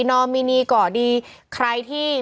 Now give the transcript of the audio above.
นอมินีก่อดี